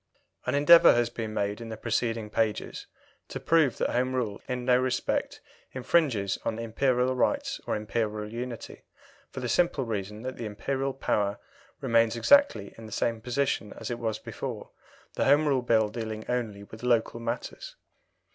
An endeavour has been made in the preceding pages to prove that Home Rule in no respect infringes on Imperial rights or Imperial unity, for the simple reason that the Imperial power remains exactly in the same position as it was before, the Home Rule Bill dealing only with Local matters.